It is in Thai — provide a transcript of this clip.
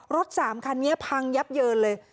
รถสามคันนี้พังยับเยินเลย